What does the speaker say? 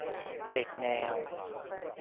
- เด็กแนว